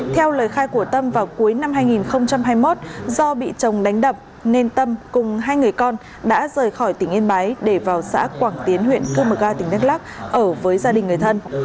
theo lời khai của tâm vào cuối năm hai nghìn hai mươi một do bị chồng đánh đập nên tâm cùng hai người con đã rời khỏi tỉnh yên bái để vào xã quảng tiến huyện cư mờ ga tỉnh đắk lắc ở với gia đình người thân